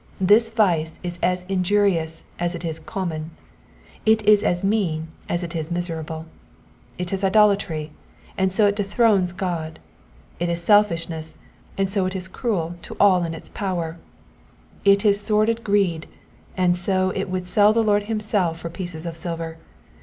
This vice is as injurious as it is common ; it is as mean as it is miserable. It is idolatry, and so it dethrones God ; it is selfishness, and so it is cruel to all in its power ; it is sordid greed, and so it would sell the Lord himself for pieces of silver.